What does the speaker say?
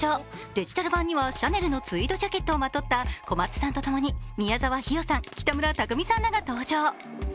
デジタル版にはシャネルのツイードジャケットをまとった宮沢氷魚さん、北村匠海さんらが登場。